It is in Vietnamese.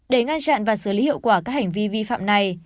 để ngăn chặn và xử lý hiệu quả các hành vi vi phạm này